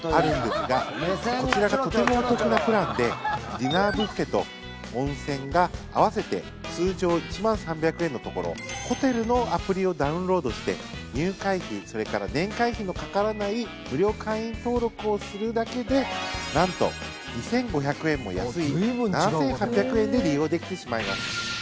ディナーブッフェと温泉が合わせて通常１万３００円のところホテルのアプリをダウンロードして入会費それから年会費のかからない無料会員登録をするだけでなんと、２５００円も安い７８００円で利用できてしまいます。